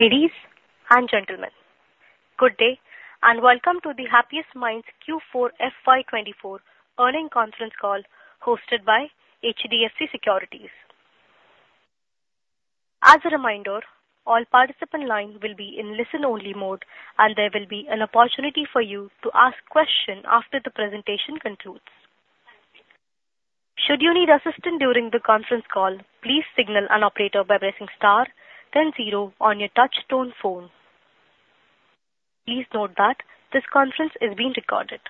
Ladies and gentlemen, good day, and welcome to the Happiest Minds Q4 FY 2024 Earnings Conference Call, hosted by HDFC Securities. As a reminder, all participant lines will be in listen-only mode, and there will be an opportunity for you to ask questions after the presentation concludes. Should you need assistance during the conference call, please signal an operator by pressing star then zero on your touchtone phone. Please note that this conference is being recorded.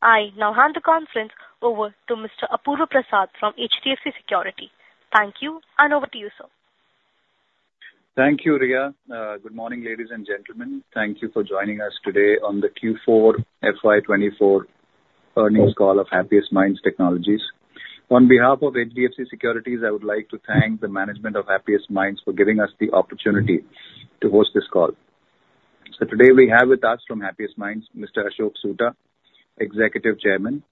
I now hand the conference over to Mr. Apurva Prasad from HDFC Securities. Thank you, and over to you, sir. Thank you, Riya. Good morning, ladies and gentlemen. Thank you for joining us today on the Q4 FY 2024 earnings call of Happiest Minds Technologies. On behalf of HDFC Securities, I would like to thank the management of Happiest Minds for giving us the opportunity to host this call. So today we have with us from Happiest Minds, Mr. Ashok Soota, Executive Chairman,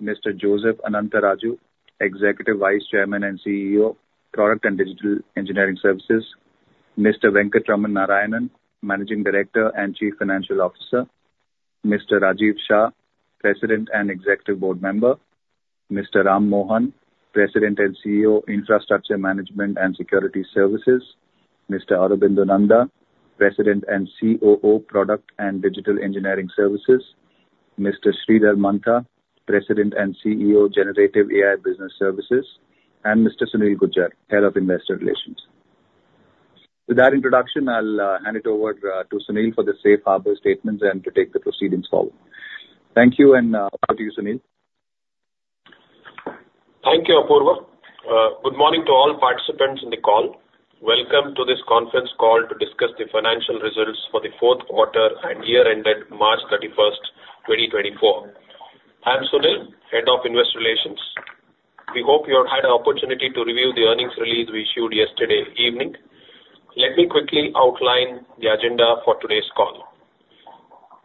Mr. Joseph Anantharaju, Executive Vice Chairman and CEO, Product and Digital Engineering Services, Mr. Venkatraman Narayanan, Managing Director and Chief Financial Officer, Mr. Rajiv Shah, President and Executive Board Member, Mr. Ram Mohan, President and CEO, Infrastructure Management and Security Services, Mr. Aurobindo Nanda, President and COO, Product and Digital Engineering Services, Mr. Sridhar Mantha, President and CEO, Generative AI Business Services, and Mr. Sunil Gujjar, Head of Investor Relations. With that introduction, I'll hand it over to Sunil for the safe harbor statements and to take the proceedings forward. Thank you, and over to you, Sunil. Thank you, Apurva. Good morning to all participants in the call. Welcome to this conference call to discuss the financial results for the fourth quarter and year ended March 31, 2024. I am Sunil, Head of Investor Relations. We hope you had an opportunity to review the earnings release we issued yesterday evening. Let me quickly outline the agenda for today's call.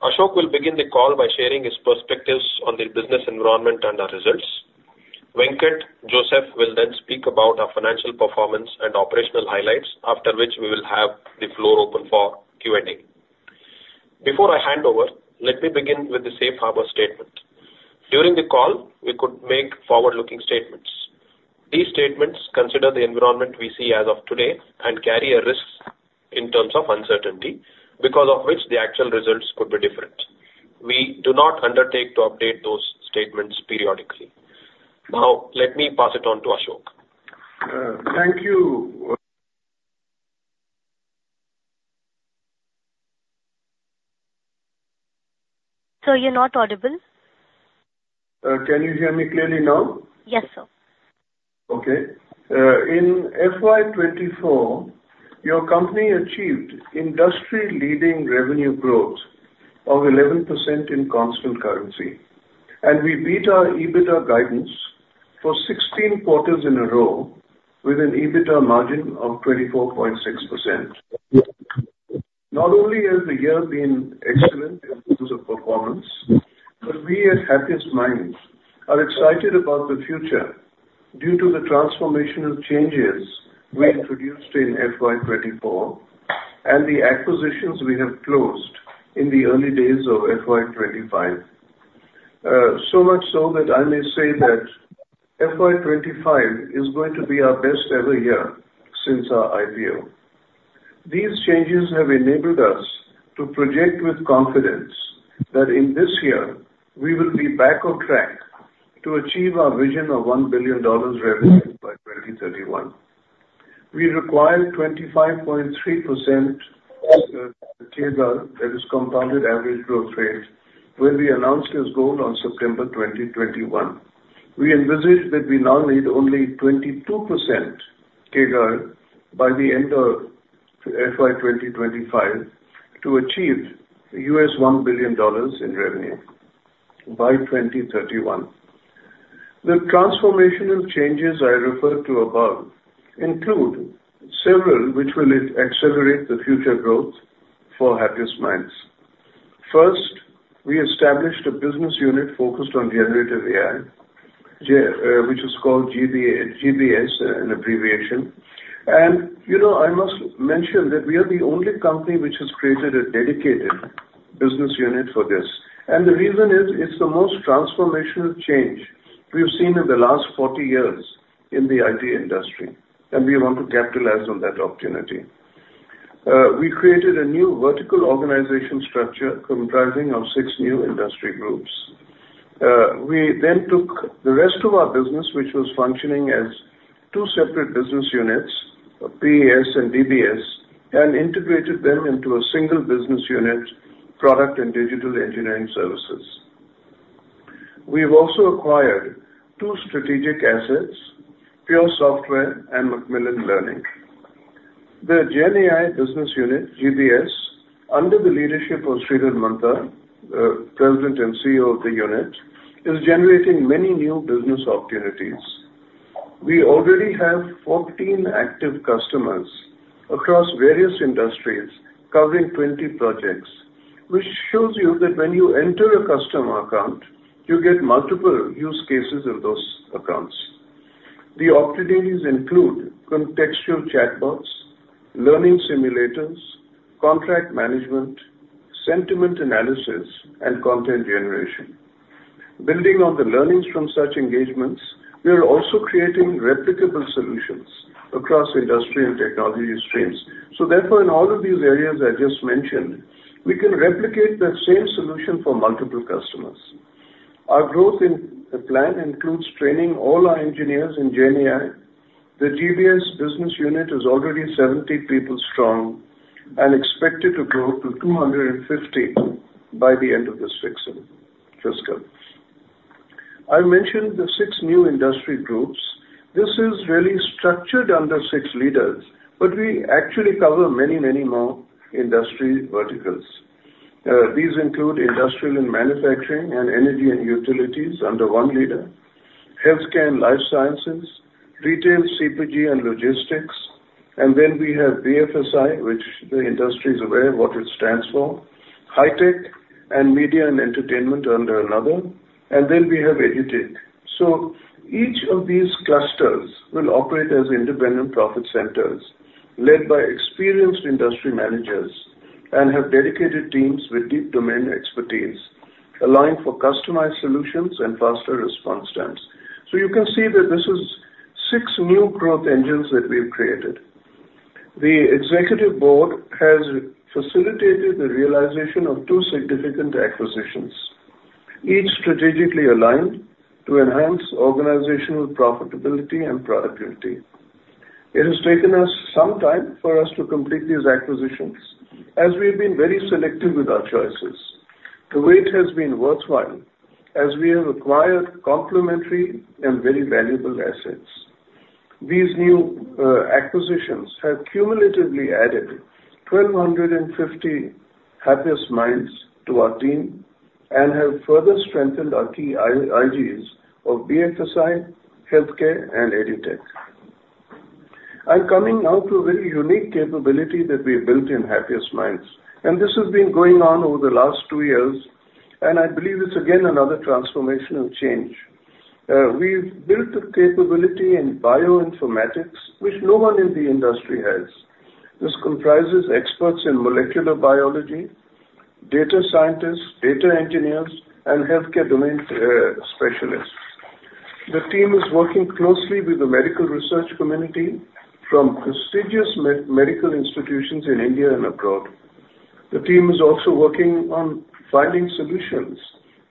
Ashok will begin the call by sharing his perspectives on the business environment and our results. Venkat, Joseph will then speak about our financial performance and operational highlights, after which we will have the floor open for Q&A. Before I hand over, let me begin with the safe harbor statement. During the call, we could make forward-looking statements. These statements consider the environment we see as of today and carry a risk in terms of uncertainty, because of which the actual results could be different. We do not undertake to update those statements periodically. Now, let me pass it on to Ashok. Thank you. Sir, you're not audible. Can you hear me clearly now? Yes, sir. Okay. In FY 2024, your company achieved industry-leading revenue growth of 11% in constant currency, and we beat our EBITDA guidance for 16 quarters in a row with an EBITDA margin of 24.6%. Not only has the year been excellent in terms of performance, but we at Happiest Minds are excited about the future due to the transformational changes we introduced in FY 2024 and the acquisitions we have closed in the early days of FY 2025. So much so that I may say that FY 2025 is going to be our best ever year since our IPO. These changes have enabled us to project with confidence that in this year we will be back on track to achieve our vision of $1 billion revenue by 2031. We require 25.3%, CAGR, that is compounded average growth rate, when we announced this goal on September 2021. We envisage that we now need only 22% CAGR by the end of FY 2025 to achieve $1 billion in revenue by 2031. The transformational changes I referred to above include several which will accelerate the future growth for Happiest Minds. First, we established a business unit focused on generative AI, gen, which is called GBS, an abbreviation. And, you know, I must mention that we are the only company which has created a dedicated business unit for this. And the reason is, it's the most transformational change we've seen in the last 40 years in the IT industry, and we want to capitalize on that opportunity. We created a new vertical organization structure comprising of 6 new industry groups. We then took the rest of our business, which was functioning as 2 separate business units, PES and DBS, and integrated them into a single business unit, Product and Digital Engineering Services. We have also acquired 2 strategic assets, PureSoftware and Macmillan Learning. The GenAI business unit, GBS, under the leadership of Sridhar Mantha, President and CEO of the unit, is generating many new business opportunities. We already have 14 active customers across various industries, covering 20 projects, which shows you that when you enter a customer account, you get multiple use cases in those accounts. The opportunities include contextual chatbots, learning simulators, contract management, sentiment analysis, and content generation. Building on the learnings from such engagements, we are also creating replicable solutions across industrial technology streams. So therefore, in all of these areas I just mentioned, we can replicate that same solution for multiple customers. Our growth in the plan includes training all our engineers in GenAI. The GBS business unit is already 70 people strong and expected to grow to 250 by the end of this fiscal. I mentioned the six new industry groups. This is really structured under six leaders, but we actually cover many, many more industry verticals. These include industrial and manufacturing and energy and utilities under one leader. Healthcare and life sciences. Retail, CPG, and logistics. And then we have BFSI, which the industry is aware of what it stands for. High-tech, and media and entertainment under another, and then we have EdTech. So each of these clusters will operate as independent profit centers led by experienced industry managers and have dedicated teams with deep domain expertise, allowing for customized solutions and faster response times. So you can see that this is six new growth engines that we've created. The executive board has facilitated the realization of two significant acquisitions, each strategically aligned to enhance organizational profitability and productivity. It has taken us some time for us to complete these acquisitions, as we've been very selective with our choices. The wait has been worthwhile as we have acquired complementary and very valuable assets. These new acquisitions have cumulatively added 1,250 Happiest Minds to our team and have further strengthened our key areas of BFSI, healthcare, and EdTech. I'm coming now to a very unique capability that we built in Happiest Minds, and this has been going on over the last two years, and I believe it's again, another transformational change. We've built a capability in bioinformatics, which no one in the industry has. This comprises experts in molecular biology, data scientists, data engineers, and healthcare domain specialists. The team is working closely with the medical research community from prestigious medical institutions in India and abroad. The team is also working on finding solutions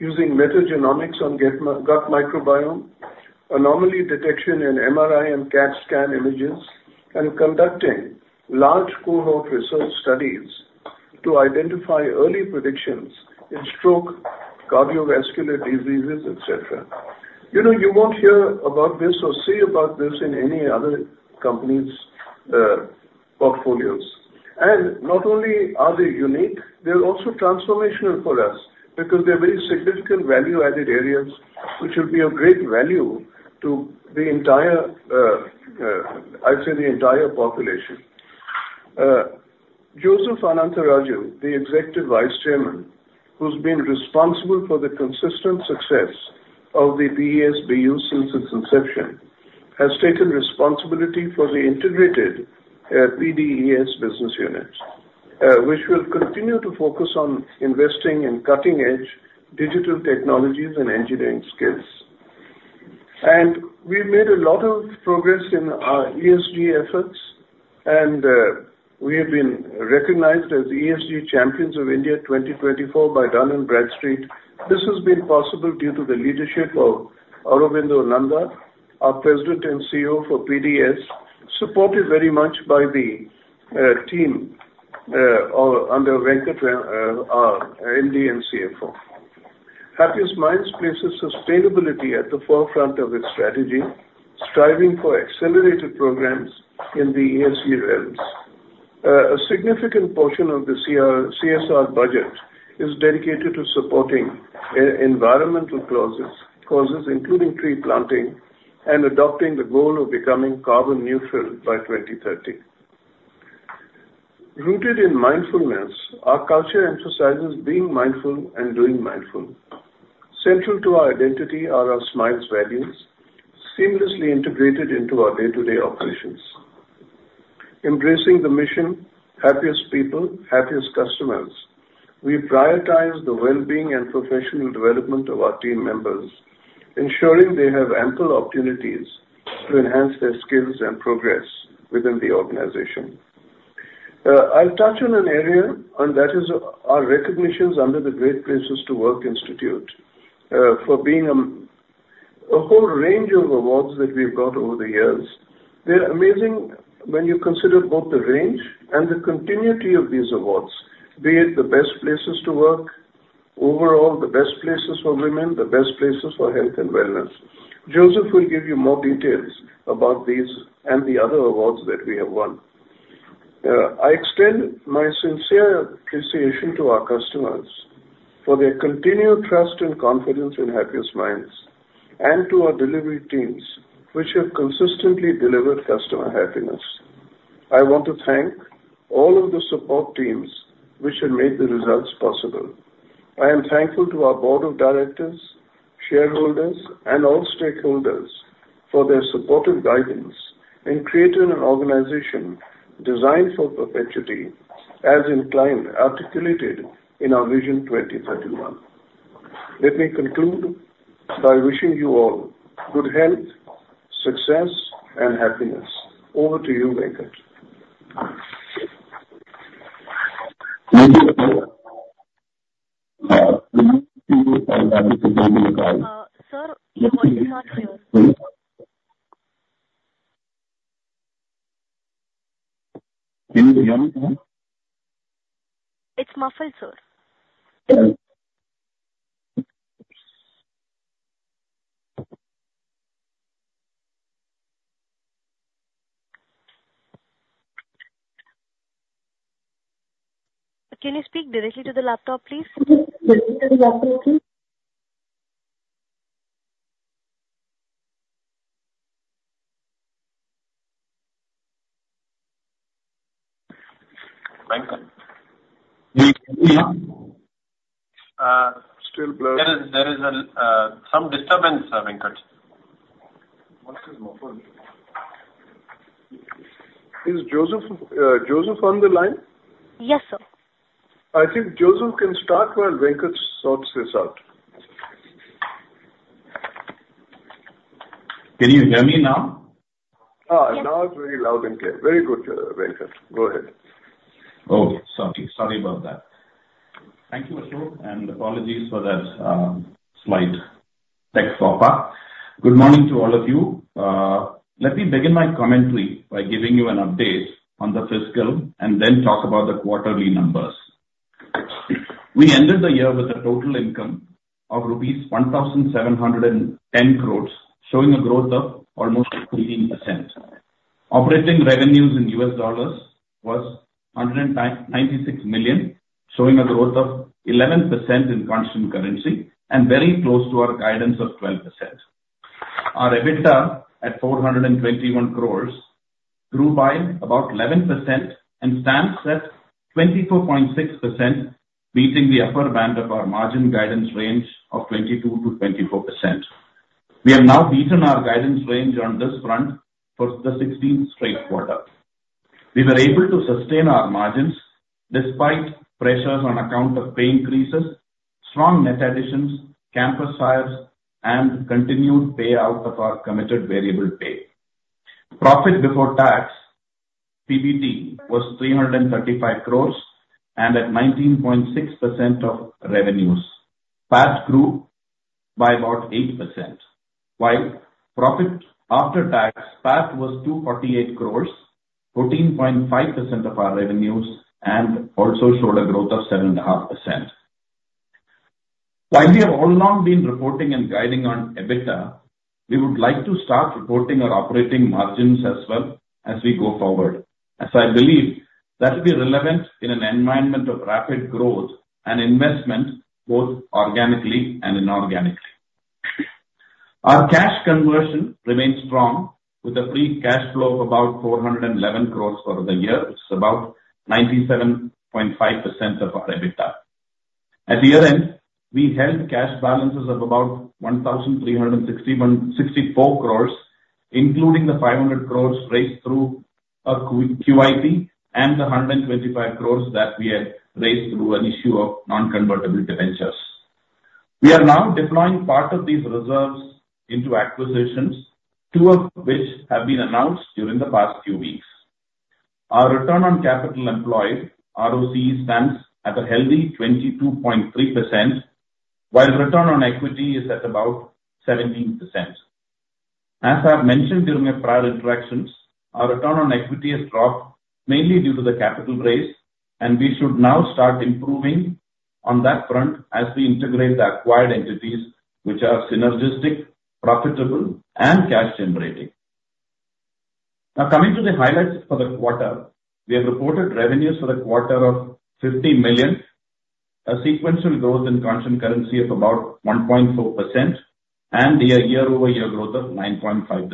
using metagenomics on gut microbiome, anomaly detection in MRI and CAT scan images, and conducting large cohort research studies to identify early predictions in stroke, cardiovascular diseases, et cetera. You know, you won't hear about this or see about this in any other company's portfolios. And not only are they unique, they're also transformational for us because they're very significant value-added areas, which will be of great value to the entire, I'd say, the entire population. Joseph Anantharaju, the Executive Vice Chairman, who's been responsible for the consistent success of the PDES BU since its inception, has taken responsibility for the integrated PDES business unit, which will continue to focus on investing in cutting-edge digital technologies and engineering skills. And we've made a lot of progress in our ESG efforts, and we have been recognized as ESG Champions of India 2024 by Dun & Bradstreet. This has been possible due to the leadership of Aurobindo Nanda, our President and CEO for PDES, supported very much by the team, or under Venkat, our MD and CFO. Happiest Minds places sustainability at the forefront of its strategy, striving for accelerated programs in the ESG realms. A significant portion of the CSR budget is dedicated to supporting environmental causes including tree planting and adopting the goal of becoming carbon neutral by 2030. Rooted in mindfulness, our culture emphasizes being mindful and doing mindful. Central to our identity are our smiles values, seamlessly integrated into our day-to-day operations. Embracing the mission, happiest people, happiest customers, we prioritize the well-being and professional development of our team members, ensuring they have ample opportunities to enhance their skills and progress within the organization. I'll touch on an area, and that is our recognitions under the Great Place to Work Institute for being a whole range of awards that we've got over the years. They're amazing when you consider both the range and the continuity of these awards, be it the best places to work, overall, the best places for women, the best places for health and wellness. Joseph will give you more details about these and the other awards that we have won. I extend my sincere appreciation to our customers....for their continued trust and confidence in Happiest Minds, and to our delivery teams, which have consistently delivered customer happiness. I want to thank all of the support teams which have made the results possible. I am thankful to our board of directors, shareholders, and all stakeholders for their supportive guidance in creating an organization designed for perpetuity, as inclined, articulated in our Vision 2031. Let me conclude by wishing you all good health, success, and happiness. Over to you, Venkat. Thank you. Sir, your voice is not clear. Can you hear me now? It's muffled, sir. Hello? Can you speak directly to the laptop, please? Directly to the laptop, please. Venkat. We can hear. Still, there is some disturbance, Venkat. Is Joseph, Joseph on the line? Yes, sir. I think Joseph can start while Venkat sorts this out. Can you hear me now? Now it's very loud and clear. Very good, Venkat. Go ahead. Oh, sorry. Sorry about that. Thank you, Ashok, and apologies for that, slight tech stopper. Good morning to all of you. Let me begin my commentary by giving you an update on the fiscal and then talk about the quarterly numbers. We ended the year with a total income of rupees 1,710 crores, showing a growth of almost 13%. Operating revenues in US dollars was $109.96 million, showing a growth of 11% in constant currency and very close to our guidance of 12%. Our EBITDA at 421 crores grew by about 11% and stands at 24.6%, beating the upper band of our margin guidance range of 22%-24%. We have now beaten our guidance range on this front for the 16th straight quarter. We were able to sustain our margins despite pressures on account of pay increases, strong net additions, campus hires, and continued payout of our committed variable pay. Profit before tax, PBT, was 335 crores and at 19.6% of revenues. PAT grew by about 8%, while profit after tax, PAT, was 248 crores, 14.5% of our revenues, and also showed a growth of 7.5%. While we have all along been reporting and guiding on EBITDA, we would like to start reporting our operating margins as well as we go forward, as I believe that will be relevant in an environment of rapid growth and investment, both organically and inorganically. Our cash conversion remains strong, with a free cash flow of about 411 crores over the year. It's about 97.5% of our EBITDA. At the year-end, we held cash balances of about 1,361.64 crores, including the 500 crores raised through a QIP and the 125 crores that we had raised through an issue of non-convertible debentures. We are now deploying part of these reserves into acquisitions, two of which have been announced during the past few weeks. Our return on capital employed, ROCE, stands at a healthy 22.3%, while return on equity is at about 17%. As I've mentioned during my prior interactions, our return on equity has dropped mainly due to the capital raise, and we should now start improving on that front as we integrate the acquired entities, which are synergistic, profitable, and cash generating. Now, coming to the highlights for the quarter. We have reported revenues for the quarter of $50 million, a sequential growth in constant currency of about 1.4%, and a year-over-year growth of 9.5%.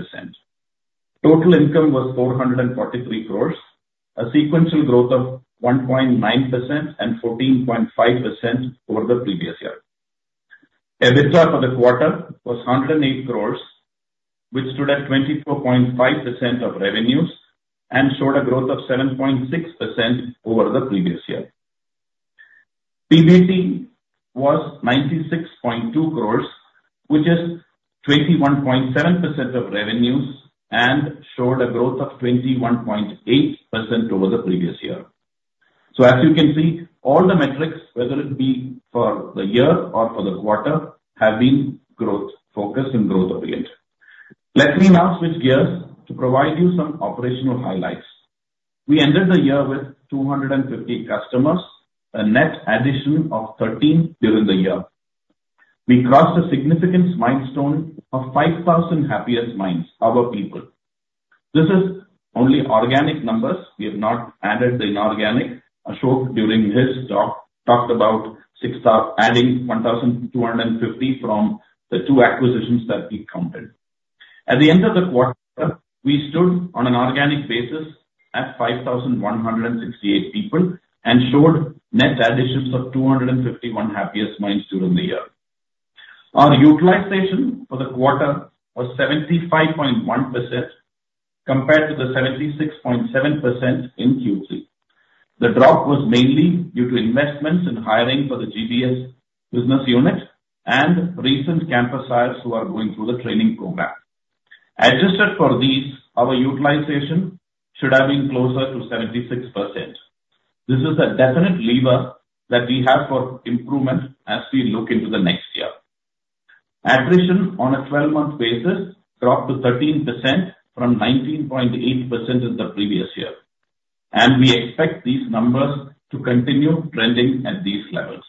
Total income was 443 crores, a sequential growth of 1.9% and 14.5% over the previous year. EBITDA for the quarter was 108 crores, which stood at 24.5% of revenues and showed a growth of 7.6% over the previous year. PBT was 96.2 crores, which is 21.7% of revenues and showed a growth of 21.8% over the previous year. So as you can see, all the metrics, whether it be for the year or for the quarter, have been growth, focused in growth of late. Let me now switch gears to provide you some operational highlights. We ended the year with 250 customers, a net addition of 13 during the year. We crossed a significant milestone of 5,000 Happiest Minds, our people. This is only organic numbers, we have not added the inorganic. Ashok, during his talk, talked about th stats adding 1,250 from the two acquisitions that we counted. At the end of the quarter, we stood on an organic basis at 5,168 people, and showed net additions of 251 Happiest Minds during the year. Our utilization for the quarter was 75.1%, compared to the 76.7% in Q3. The drop was mainly due to investments in hiring for the GBS business unit and recent campus hires who are going through the training program. Adjusted for these, our utilization should have been closer to 76%. This is a definite lever that we have for improvement as we look into the next year. Attrition on a 12-month basis dropped to 13% from 19.8% in the previous year, and we expect these numbers to continue trending at these levels.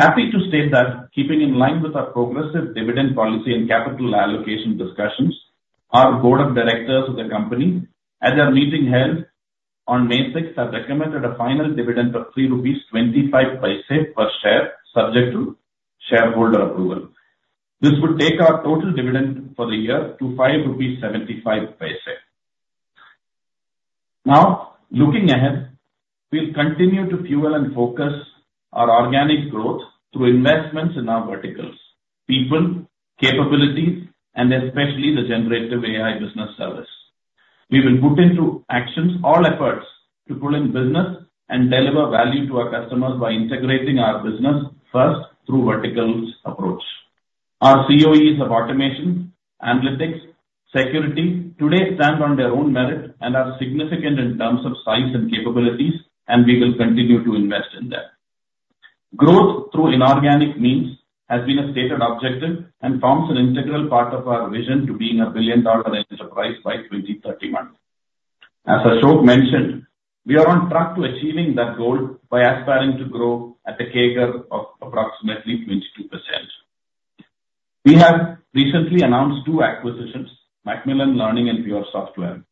Happy to state that keeping in line with our progressive dividend policy and capital allocation discussions, our board of directors of the company, at their meeting held on May 6, have recommended a final dividend of 3.25 rupees per share, subject to shareholder approval. This will take our total dividend for the year to 5.75 rupees. Now, looking ahead, we'll continue to fuel and focus our organic growth through investments in our verticals, people, capabilities, and especially the Generative AI Business Services. We will put into actions all efforts to pull in business and deliver value to our customers by integrating our business first through verticals approach. Our COEs of automation, analytics, security, today stand on their own merit and are significant in terms of size and capabilities, and we will continue to invest in that. Growth through inorganic means has been a stated objective and forms an integral part of our vision to being a billion-dollar enterprise by 2030. As Ashok mentioned, we are on track to achieving that goal by aspiring to grow at a CAGR of approximately 22%. We have recently announced 2 acquisitions, Macmillan Learning and PureSoftware.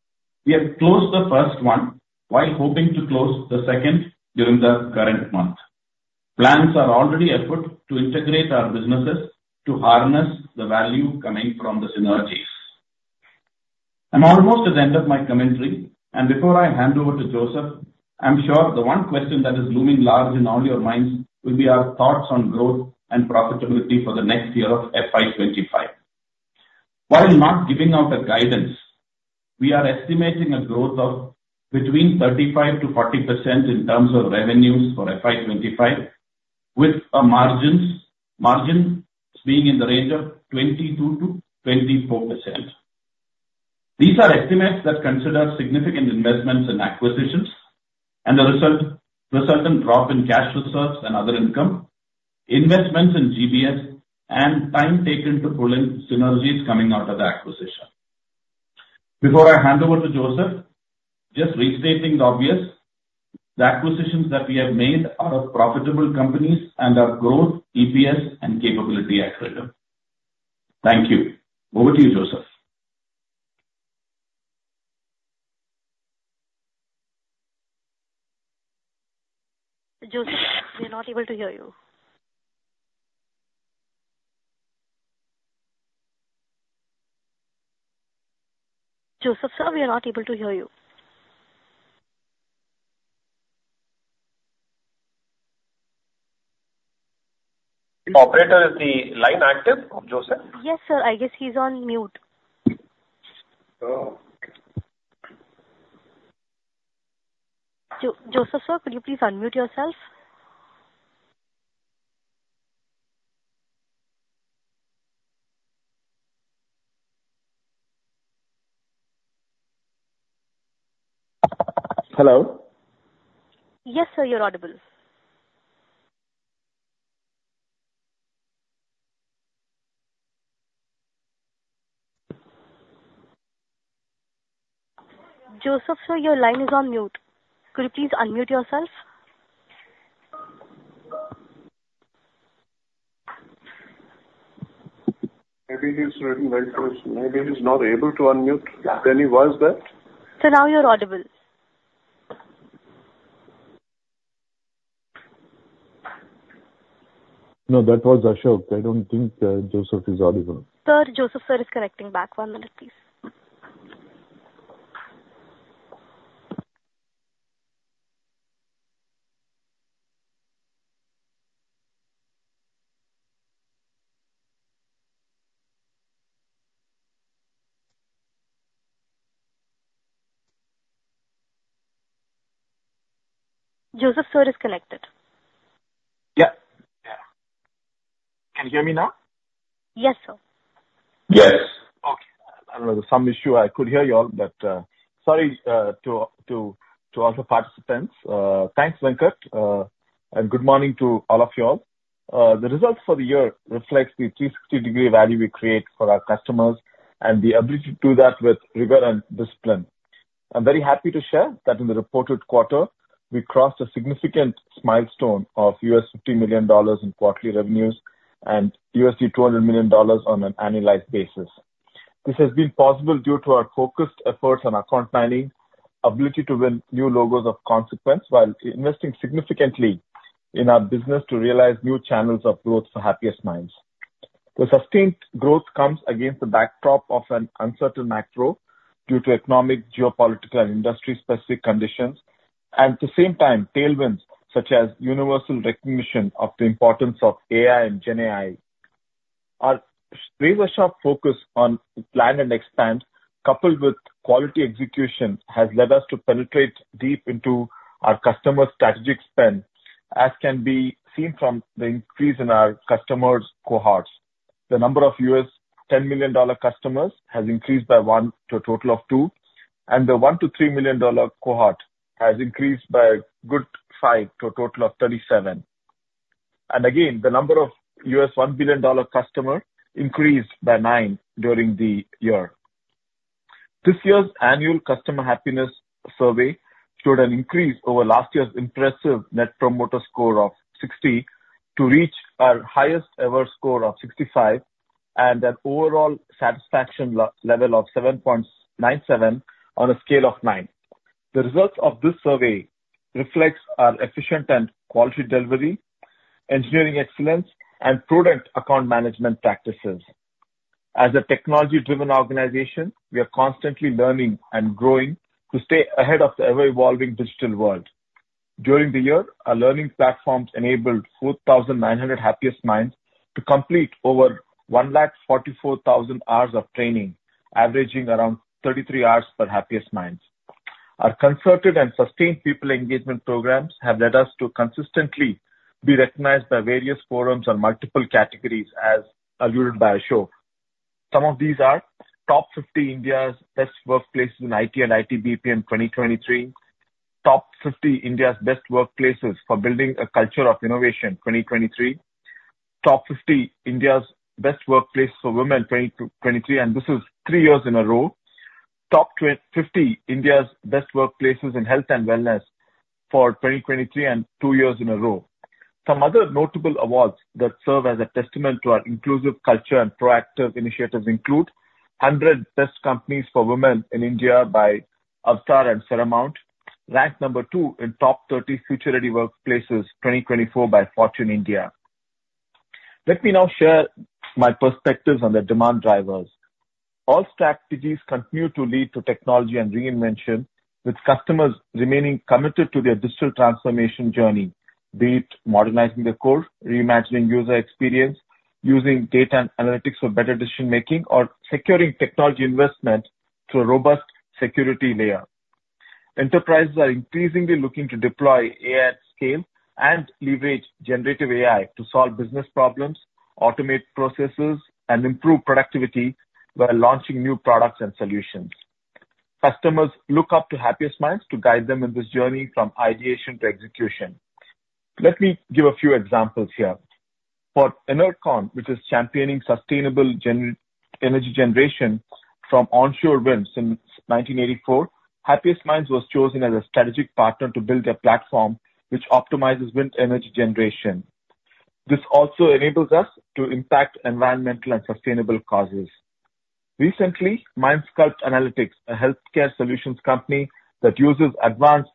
We have closed the first one, while hoping to close the second during the current month. Plans are already afoot to integrate our businesses to harness the value coming from the synergies. I'm almost at the end of my commentary, and before I hand over to Joseph, I'm sure the one question that is looming large in all your minds will be our thoughts on growth and profitability for the next year of FY 2025. While not giving out a guidance, we are estimating a growth of between 35%-40% in terms of revenues for FY 2025, with our margins, margins being in the range of 22%-24%. These are estimates that consider significant investments in acquisitions and the result, the certain drop in cash reserves and other income, investments in GBS, and time taken to pull in synergies coming out of the acquisition. Before I hand over to Joseph, just restating the obvious, the acquisitions that we have made are of profitable companies and are growth, EPS, and capability accelerator. Thank you. Over to you, Joseph. Joseph, we're not able to hear you. Joseph, sir, we are not able to hear you. Operator, is the line active of Joseph? Yes, sir. I guess he's on mute. Oh. Joseph, sir, could you please unmute yourself? Hello? Yes, sir, you're audible. Joseph, sir, your line is on mute. Could you please unmute yourself? Maybe he's waiting, maybe he's not able to unmute. Can he hear us there? Sir, now you're audible. No, that was Ashok. I don't think Joseph is audible. Sir, Joseph, sir, is connecting back. One minute, please. Joseph, sir, is connected. Yeah. Yeah. Can you hear me now? Yes, sir. Yes! Okay. I don't know, there's some issue. I could hear you all, but... Sorry to all the participants. Thanks, Venkat, and good morning to all of you all. The results for the year reflects the 360-degree value we create for our customers, and the ability to do that with rigor and discipline... I'm very happy to share that in the reported quarter, we crossed a significant milestone of $50 million in quarterly revenues and $200 million on an annualized basis. This has been possible due to our focused efforts on account planning, ability to win new logos of consequence, while investing significantly in our business to realize new channels of growth for Happiest Minds. The sustained growth comes against the backdrop of an uncertain macro due to economic, geopolitical, and industry-specific conditions. At the same time, tailwinds, such as universal recognition of the importance of AI and GenAI. Our razor-sharp focus on plan and expand, coupled with quality execution, has led us to penetrate deep into our customer strategic spend, as can be seen from the increase in our customers' cohorts. The number of US $10 million customers has increased by one to a total of two, and the $1 million-$3 million cohort has increased by a good five to a total of 37. And again, the number of US $1 billion customer increased by 9 during the year. This year's annual customer happiness survey showed an increase over last year's impressive net promoter score of 60 to reach our highest ever score of 65 and an overall satisfaction level of 7.97 on a scale of 9. The results of this survey reflects our efficient and quality delivery, engineering excellence, and prudent account management practices. As a technology-driven organization, we are constantly learning and growing to stay ahead of the ever-evolving digital world. During the year, our learning platforms enabled 4,900 Happiest Minds to complete over 144,000 hours of training, averaging around 33 hours per Happiest Minds. Our concerted and sustained people engagement programs have led us to consistently be recognized by various forums on multiple categories, as alluded by Ashok. Some of these are Top 50 India's Best Workplaces in IT and IT/BPO in 2023. Top 50 India's Best Workplaces for Building a Culture of Innovation, 2023. Top 50 India's Best Workplaces for Women, 2023, and this is three years in a row. Top 50 India's Best Workplaces in Health and Wellness for 2023, and two years in a row. Some other notable awards that serve as a testament to our inclusive culture and proactive initiatives include: 100 Best Companies for Women in India by Avtar and Seramount. Ranked number 2 in Top 30 Future Workplaces 2024 by Fortune India. Let me now share my perspectives on the demand drivers. All strategies continue to lead to technology and reinvention, with customers remaining committed to their digital transformation journey, be it modernizing their core, reimagining user experience, using data and analytics for better decision-making, or securing technology investment through a robust security layer. Enterprises are increasingly looking to deploy AI at scale and leverage generative AI to solve business problems, automate processes, and improve productivity by launching new products and solutions. Customers look up to Happiest Minds to guide them in this journey from ideation to execution. Let me give a few examples here. For Enercon, which is championing sustainable energy generation from onshore winds since 1984, Happiest Minds was chosen as a strategic partner to build a platform which optimizes wind energy generation. This also enables us to impact environmental and sustainable causes. Recently, MindSculpt Analytics, a healthcare solutions company that uses advanced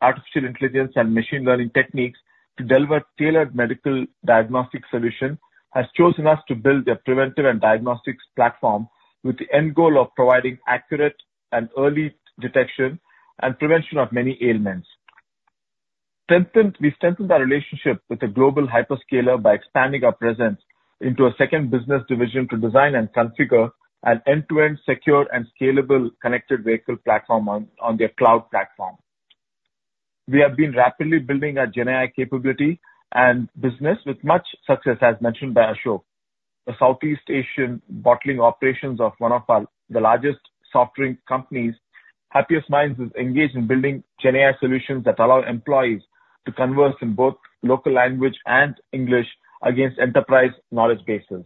artificial intelligence and machine learning techniques to deliver tailored medical diagnostic solution, has chosen us to build a preventive and diagnostics platform with the end goal of providing accurate and early detection and prevention of many ailments. We strengthened our relationship with a global hyperscaler by expanding our presence into a second business division to design and configure an end-to-end, secure and scalable connected vehicle platform on their cloud platform. We have been rapidly building our GenAI capability and business with much success, as mentioned by Ashok. The Southeast Asian bottling operations of one of our... The largest soft drink companies, Happiest Minds, is engaged in building GenAI solutions that allow employees to converse in both local language and English against enterprise knowledge bases.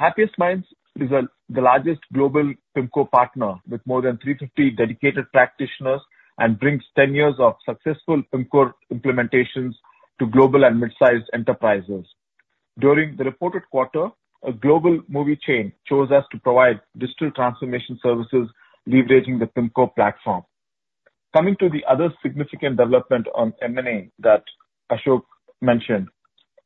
Happiest Minds is the largest global Pimcore partner, with more than 350 dedicated practitioners and brings 10 years of successful Pimcore implementations to global and mid-sized enterprises. During the reported quarter, a global movie chain chose us to provide digital transformation services leveraging the Pimcore platform. Coming to the other significant development on M&A that Ashok mentioned.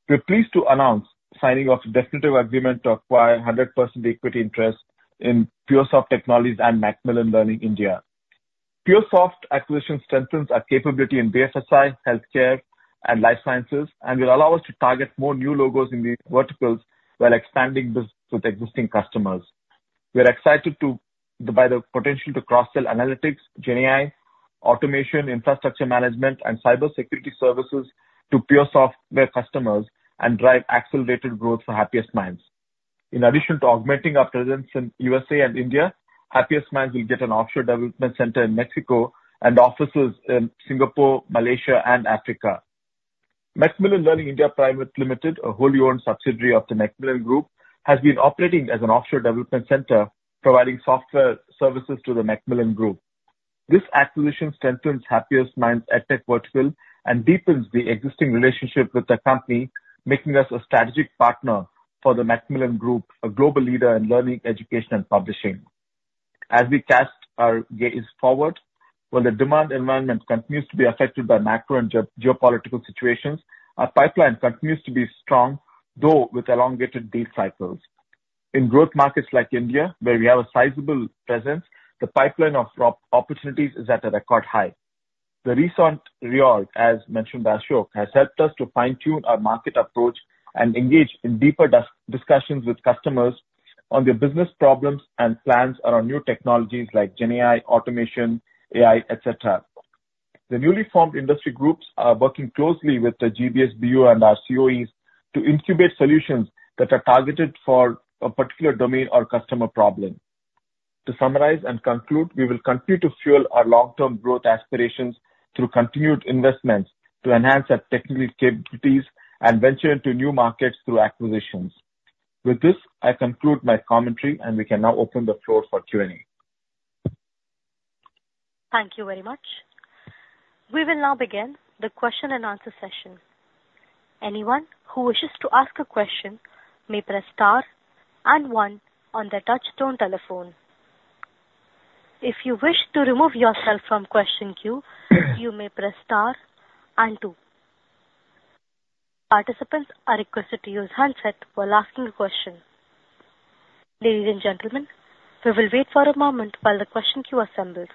We're pleased to announce the signing of a definitive agreement to acquire 100% equity interest in PureSoftware and Macmillan Learning India. PureSoftware acquisition strengthens our capability in BFSI, healthcare, and life sciences and will allow us to target more new logos in these verticals while expanding business with existing customers. We are excited by the potential to cross-sell analytics, GenAI, automation, infrastructure management, and cybersecurity services to PureSoftware customers and drive accelerated growth for Happiest Minds. In addition to augmenting our presence in USA and India, Happiest Minds will get an offshore development center in Mexico and offices in Singapore, Malaysia, and Africa.... Macmillan Learning India Private Limited, a wholly owned subsidiary of the Macmillan Group, has been operating as an offshore development center, providing software services to the Macmillan Group. This acquisition strengthens Happiest Minds' edtech vertical and deepens the existing relationship with the company, making us a strategic partner for the Macmillan Group, a global leader in learning, education, and publishing. As we cast our gaze forward, while the demand environment continues to be affected by macro and geopolitical situations, our pipeline continues to be strong, though with elongated deal cycles. In growth markets like India, where we have a sizable presence, the pipeline of opportunities is at a record high. The recent reorg, as mentioned by Ashok, has helped us to fine-tune our market approach and engage in deeper discussions with customers on their business problems and plans around new technologies like GenAI, automation, AI, et cetera. The newly formed industry groups are working closely with the GBS BU and our COEs to incubate solutions that are targeted for a particular domain or customer problem. To summarize and conclude, we will continue to fuel our long-term growth aspirations through continued investments to enhance our technical capabilities and venture into new markets through acquisitions. With this, I conclude my commentary, and we can now open the floor for Q&A. Thank you very much. We will now begin the question-and-answer session. Anyone who wishes to ask a question may press star and one on their touchtone telephone. If you wish to remove yourself from question queue, you may press star and two. Participants are requested to use handset while asking a question. Ladies and gentlemen, we will wait for a moment while the question queue assembles.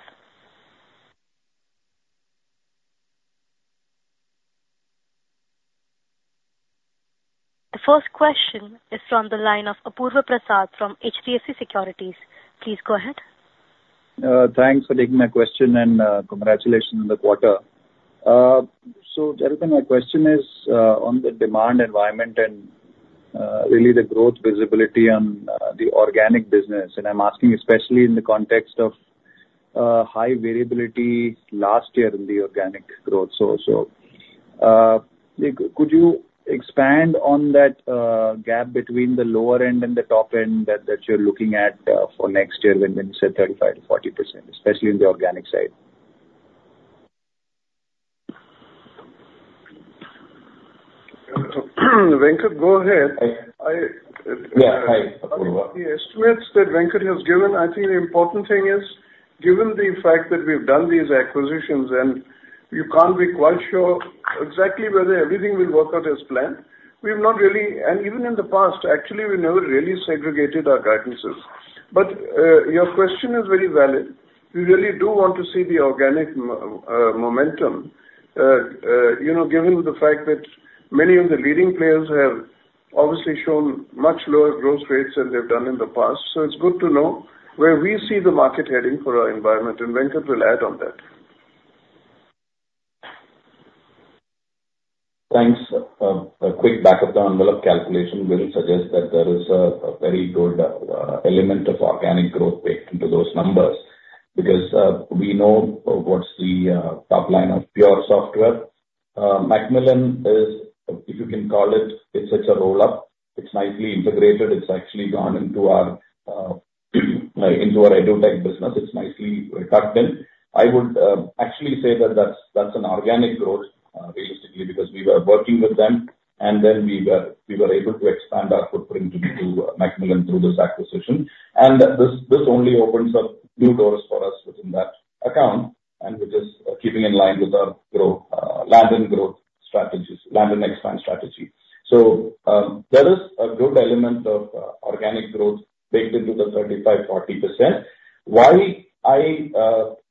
The first question is from the line of Apurva Prasad from HDFC Securities. Please go ahead. Thanks for taking my question, and congratulations on the quarter. Gentlemen, my question is on the demand environment and really the growth visibility on the organic business. I'm asking especially in the context of high variability last year in the organic growth. Could you expand on that gap between the lower end and the top end that you're looking at for next year when you said 35%-40%, especially in the organic side? Venkat, go ahead. Yeah, hi, Apurva. The estimates that Venkat has given, I think the important thing is, given the fact that we've done these acquisitions and you can't be quite sure exactly whether everything will work out as planned, we've not really... And even in the past, actually, we never really segregated our guidances. But your question is very valid. We really do want to see the organic momentum, you know, given the fact that many of the leading players have obviously shown much lower growth rates than they've done in the past. So it's good to know where we see the market heading for our environment, and Venkat will add on that. Thanks. A quick back-of-the-envelope calculation will suggest that there is a very good element of organic growth baked into those numbers, because we know what's the top line of PureSoftware. Macmillan is, if you can call it, it's such a roll-up. It's nicely integrated. It's actually gone into our into our EdTech business. It's nicely tucked in. I would actually say that that's an organic growth realistically, because we were working with them, and then we were able to expand our footprint into Macmillan through this acquisition. And this only opens up new doors for us within that account, and we're just keeping in line with our growth land and growth strategies, land and expand strategy. So, there is a good element of organic growth baked into the 35%-40%. Why I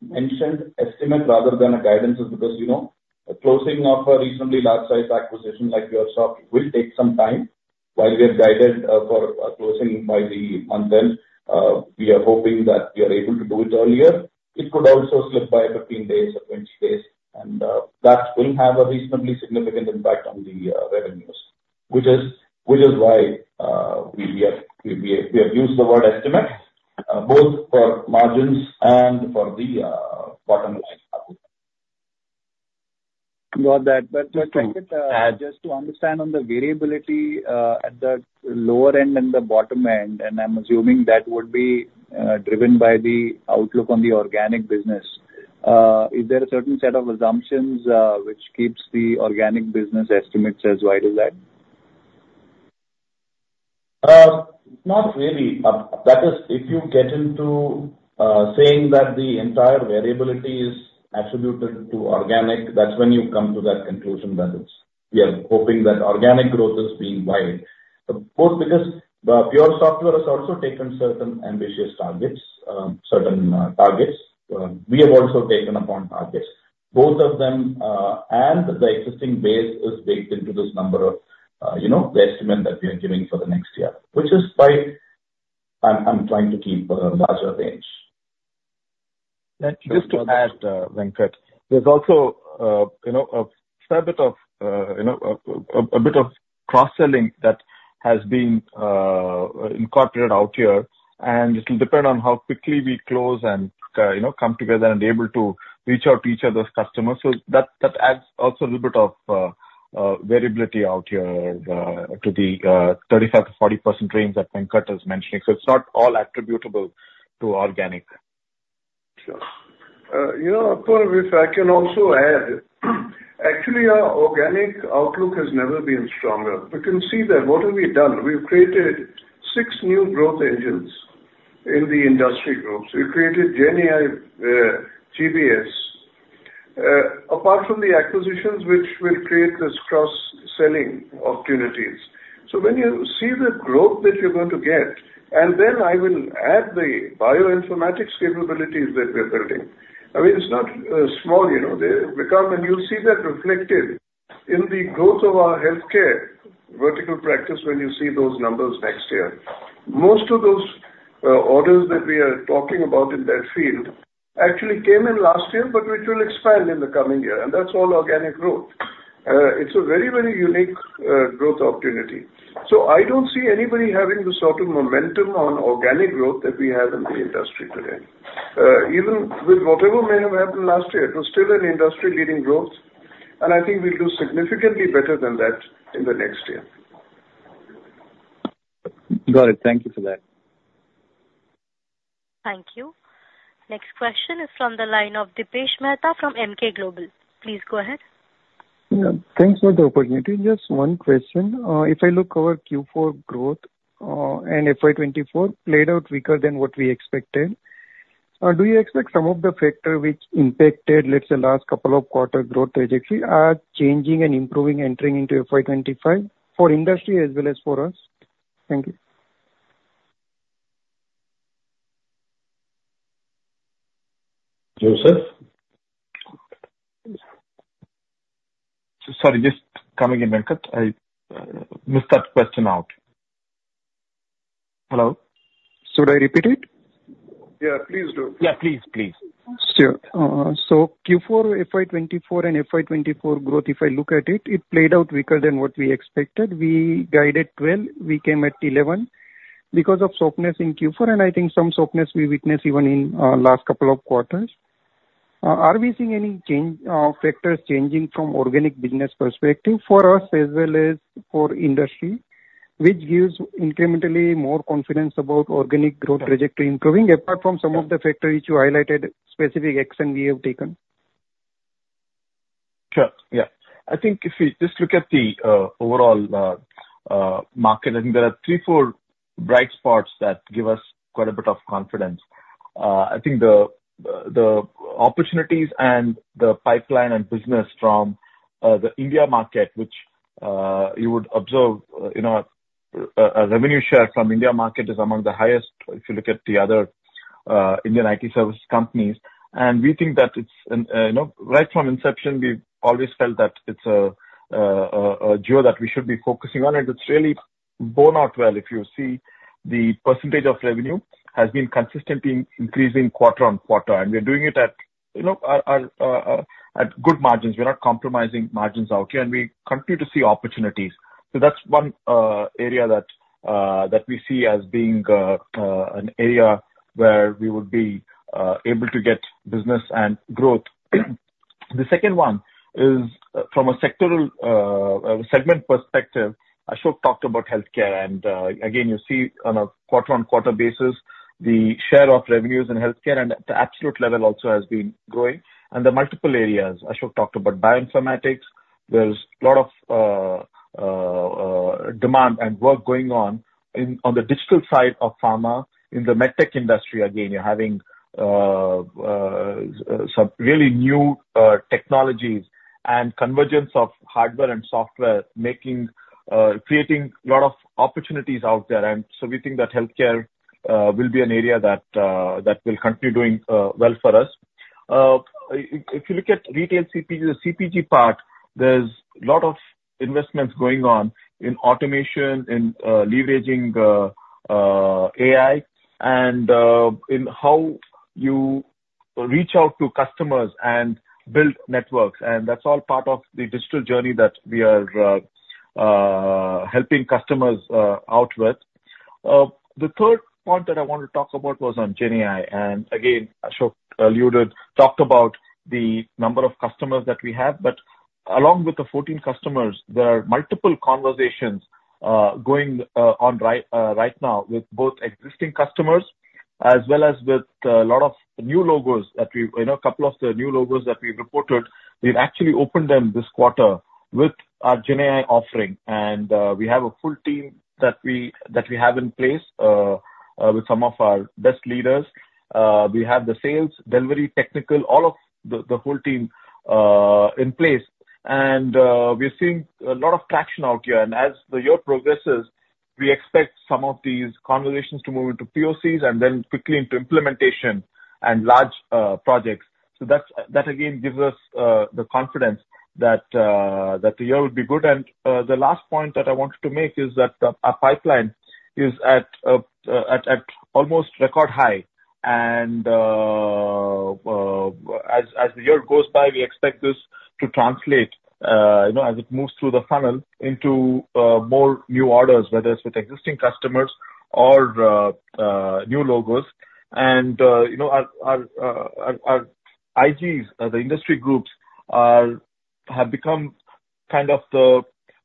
mentioned estimate rather than a guidance is because, you know, closing of a recently large-sized acquisition like PureSoftware will take some time. While we are guided for a closing by the month end, we are hoping that we are able to do it earlier. It could also slip by 15 days or 20 days, and that will have a reasonably significant impact on the revenues, which is, which is why, we have, we, we have used the word estimate both for margins and for the bottom line output. Got that. But, just to understand on the variability, at the lower end and the bottom end, and I'm assuming that would be, driven by the outlook on the organic business. Is there a certain set of assumptions, which keeps the organic business estimates as wide as that? Not really. That is, if you get into saying that the entire variability is attributed to organic, that's when you come to that conclusion that it's we are hoping that organic growth is being wide. But both because the PureSoftware has also taken certain ambitious targets, certain targets, we have also taken upon targets. Both of them, and the existing base is baked into this number of, you know, the estimate that we are giving for the next year, which is why I'm trying to keep a larger range. Thank you. Just to add, Venkat, there's also, you know, a fair bit of, you know, a bit of-... cross-selling that has been incorporated out here, and it will depend on how quickly we close and, you know, come together and able to reach out to each other's customers. So that, that adds also a little bit of variability out here to the 35%-40% range that Venkat is mentioning. So it's not all attributable to organic. Sure. You know, Apar, if I can also add, actually, our organic outlook has never been stronger. You can see that. What have we done? We've created six new growth engines in the industry groups. We've created GenAI, GBS, apart from the acquisitions which will create this cross-selling opportunities. So when you see the growth that you're going to get, and then I will add the bioinformatics capabilities that we're building. I mean, it's not small, you know, they become. And you'll see that reflected in the growth of our healthcare vertical practice when you see those numbers next year. Most of those orders that we are talking about in that field actually came in last year, but which will expand in the coming year, and that's all organic growth. It's a very, very unique growth opportunity. I don't see anybody having the sort of momentum on organic growth that we have in the industry today. Even with whatever may have happened last year, it was still an industry-leading growth, and I think we'll do significantly better than that in the next year. Got it. Thank you for that. Thank you. Next question is from the line of Dipesh Mehta from Emkay Global. Please go ahead. Yeah. Thanks for the opportunity. Just one question. If I look over Q4 growth, and FY 24 played out weaker than what we expected, do you expect some of the factor which impacted, let's say, last couple of quarter growth trajectory are changing and improving entering into FY 25 for industry as well as for us? Thank you. Joseph? Sorry, just coming in, Venkat. I missed that question out. Hello? Should I repeat it? Yeah, please do. Yeah, please, please. Sure. So Q4 FY24 and FY24 growth, if I look at it, it played out weaker than what we expected. We guided well. We came at 11 because of softness in Q4, and I think some softness we witnessed even in, last couple of quarters. Are we seeing any change, factors changing from organic business perspective for us as well as for industry, which gives incrementally more confidence about organic growth trajectory improving, apart from some of the factors which you highlighted, specific action we have taken? Sure, yeah. I think if we just look at the overall market, I think there are three, four bright spots that give us quite a bit of confidence. I think the opportunities and the pipeline and business from the India market, which you would observe, you know, a revenue share from India market is among the highest if you look at the other Indian IT service companies. And we think that it's you know, right from inception, we've always felt that it's a geo that we should be focusing on. And it's really borne out well. If you see, the percentage of revenue has been consistently increasing quarter on quarter, and we're doing it at you know, at good margins. We're not compromising margins out here, and we continue to see opportunities. So that's one area that we see as being an area where we would be able to get business and growth. The second one is from a sectoral segment perspective. Ashok talked about healthcare, and again, you see on a quarter-on-quarter basis the share of revenues in healthcare and the absolute level also has been growing. And there are multiple areas. Ashok talked about bioinformatics. There's a lot of demand and work going on in on the digital side of pharma. In the MedTech industry, again, you're having some really new technologies and convergence of hardware and software, creating a lot of opportunities out there. We think that healthcare will be an area that will continue doing well for us. If you look at retail CPG, the CPG part, there's a lot of investments going on in automation, in leveraging AI and in how you reach out to customers and build networks, and that's all part of the digital journey that we are helping customers out with. The third point that I wanted to talk about was on GenAI, and again, Ashok talked about the number of customers that we have. But along with the 14 customers, there are multiple conversations going on right now with both existing customers as well as with a lot of new logos that we've... You know, a couple of the new logos that we've reported, we've actually opened them this quarter with our GenAI offering, and we have a full team that we have in place with some of our best leaders. We have the sales, delivery, technical, all of the whole team in place. And we're seeing a lot of traction out here. And as the year progresses, we expect some of these conversations to move into POCs and then quickly into implementation and large projects. So that's again gives us the confidence that the year will be good. And the last point that I wanted to make is that our pipeline is at almost record high, and... As the year goes by, we expect this to translate, you know, as it moves through the funnel into more new orders, whether it's with existing customers or new logos. And, you know, our IGs, the industry groups, have become kind of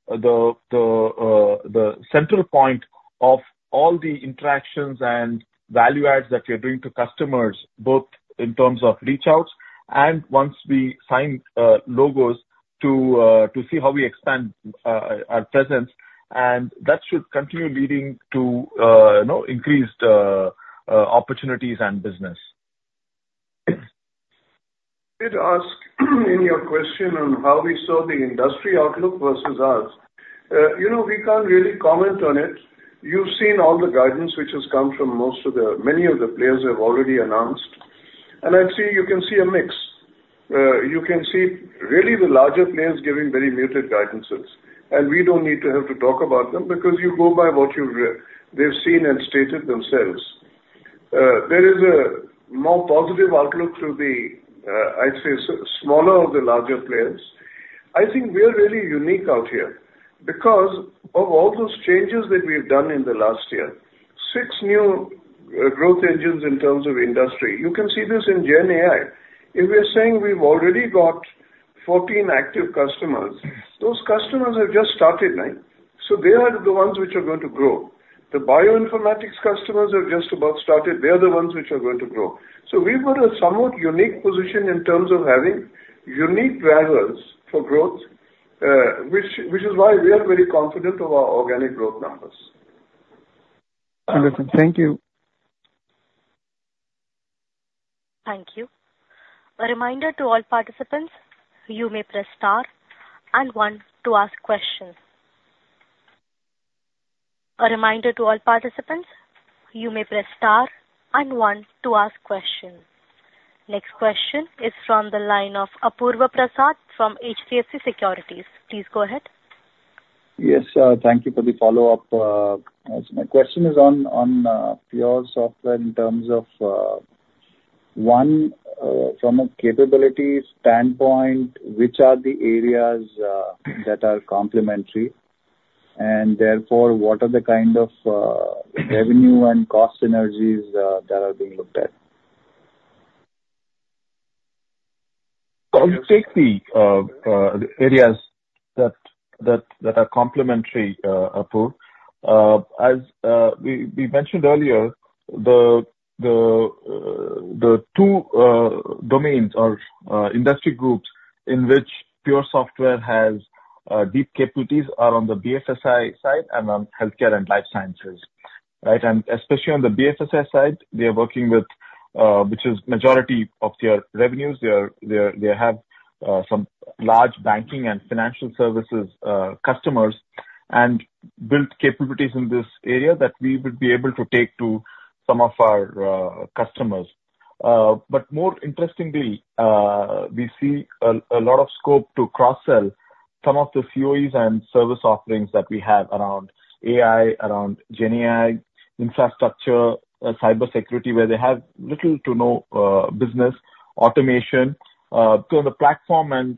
the central point of all the interactions and value adds that we are bringing to customers, both in terms of reach outs and once we sign logos to see how we expand our presence, and that should continue leading to, you know, increased opportunities and business. Did ask in your question on how we saw the industry outlook versus ours. You know, we can't really comment on it. You've seen all the guidance which has come from most of the many of the players have already announced. And I'd say you can see a mix. You can see really the larger players giving very muted guidances. And we don't need to have to talk about them because you go by what you've they've seen and stated themselves. There is a more positive outlook through the, I'd say, smaller or the larger players. I think we are really unique out here because of all those changes that we've done in the last year. Six new growth engines in terms of industry. You can see this in GenAI. If we are saying we've already got 14 active customers, those customers have just started, right? So they are the ones which are going to grow. The bioinformatics customers have just about started, they are the ones which are going to grow. So we've got a somewhat unique position in terms of having unique drivers for growth, which is why we are very confident of our organic growth numbers. Wonderful. Thank you. Thank you. A reminder to all participants, you may press star and one to ask questions. A reminder to all participants, you may press star and one to ask questions. Next question is from the line of Apurva Prasad from HDFC Securities. Please go ahead. Yes, thank you for the follow-up. My question is on PureSoftware in terms of one from a capabilities standpoint, which are the areas that are complementary? And therefore, what are the kind of revenue and cost synergies that are being looked at? I'll take the areas that are complementary, Apurva. As we mentioned earlier, the two domains or industry groups in which PureSoftware has deep capabilities are on the BFSI side and on healthcare and life sciences, right? And especially on the BFSI side, they are working with, which is majority of their revenues. They have some large banking and financial services customers, and build capabilities in this area that we would be able to take to some of our customers. But more interestingly, we see a lot of scope to cross-sell some of the COEs and service offerings that we have around AI, around GenAI, infrastructure, cybersecurity, where they have little to no business automation. So on the platform and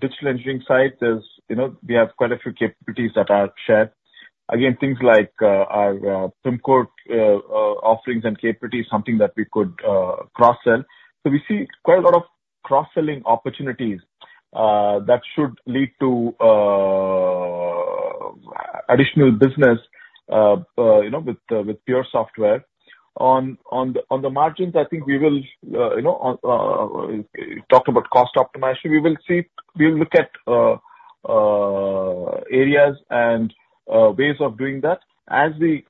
digital engineering side, there's, you know, we have quite a few capabilities that are shared. Again, things like our Pimcore offerings and capabilities, something that we could cross-sell. So we see quite a lot of cross-selling opportunities that should lead to additional business, you know, with PureSoftware. On the margins, I think we will, you know, talk about cost optimization. We will see, we will look at areas and ways of doing that as we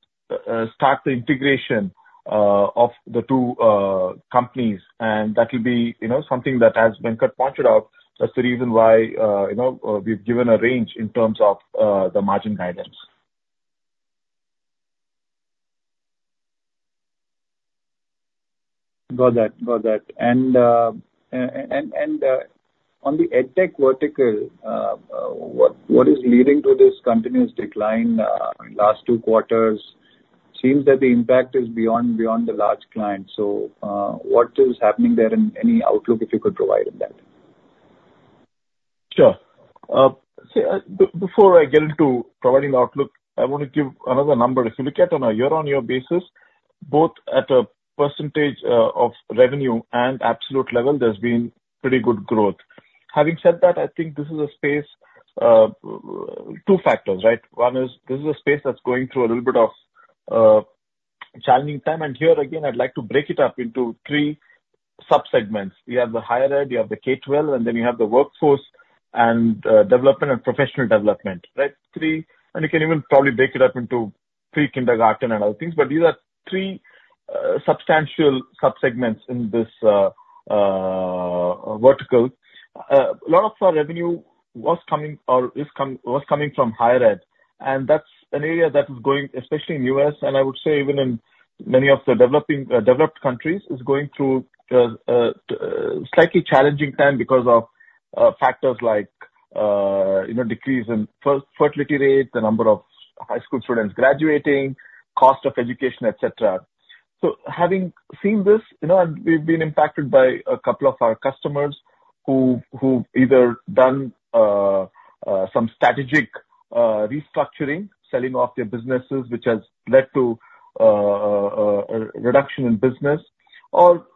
start the integration of the two companies, and that will be, you know, something that, as Venkat pointed out, that's the reason why, you know, we've given a range in terms of the margin guidance. Got that. Got that. And, on the EdTech vertical, what is leading to this continuous decline last two quarters? Seems that the impact is beyond the large clients. So, what is happening there, and any outlook, if you could provide in that? Sure. Before I get into providing the outlook, I want to give another number. If you look at on a year-on-year basis, both at a percentage of revenue and absolute level, there's been pretty good growth. Having said that, I think this is a space, two factors, right? One is this is a space that's going through a little bit of challenging time. And here, again, I'd like to break it up into three sub-segments. You have the higher ed, you have the K-12, and then you have the workforce and development and professional development, right? Three. And you can even probably break it up into pre-kindergarten and other things, but these are three substantial sub-segments in this vertical. A lot of our revenue was coming or is coming from higher ed, and that's an area that is growing, especially in U.S., and I would say even in many of the developed countries is going through a slightly challenging time because of factors like, you know, decrease in fertility rates, the number of high school students graduating, cost of education, et cetera. So having seen this, you know, and we've been impacted by a couple of our customers who've either done some strategic restructuring, selling off their businesses, which has led to a reduction in business or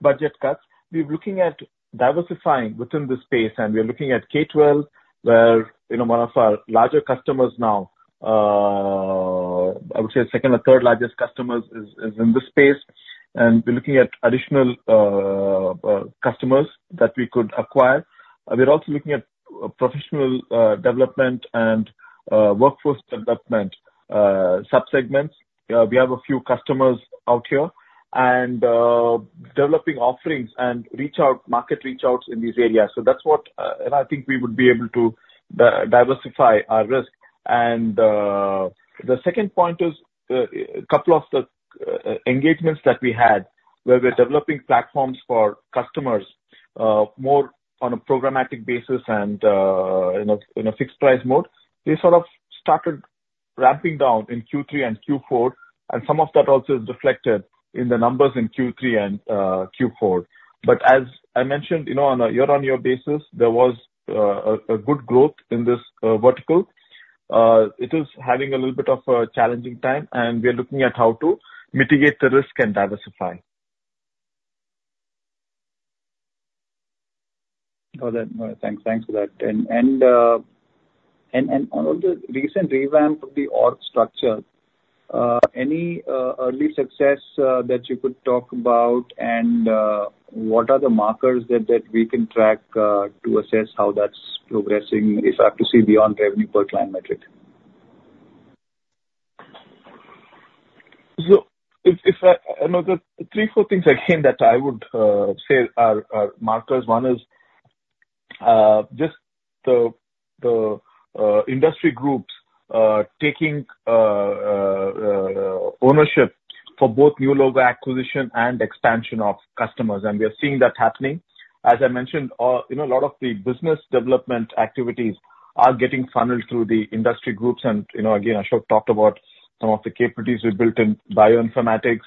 budget cuts. We're looking at diversifying within this space, and we are looking at K-12, where, you know, one of our larger customers now, I would say second or third largest customers is in this space. And we're looking at additional customers that we could acquire. We're also looking at professional development and workforce development subsegments. We have a few customers out here, and developing offerings and reach out, market reach outs in these areas. So that's what... And I think we would be able to diversify our risk. And the second point is, couple of the engagements that we had, where we're developing platforms for customers, more on a programmatic basis and in a fixed price mode. They sort of started ramping down in Q3 and Q4, and some of that also is reflected in the numbers in Q3 and Q4. But as I mentioned, you know, on a year-on-year basis, there was a good growth in this vertical. It is having a little bit of a challenging time, and we are looking at how to mitigate the risk and diversify. Got it. Thanks, thanks for that. And on the recent revamp of the org structure, any early success that you could talk about? And, what are the markers that we can track to assess how that's progressing, if I have to see beyond revenue per client metric? So, if I, you know, the three, four things again that I would say are markers. One is just the industry groups taking ownership for both new logo acquisition and expansion of customers, and we are seeing that happening. As I mentioned, you know, a lot of the business development activities are getting funneled through the industry groups. And, you know, again, Ashok talked about some of the capabilities we built in bioinformatics.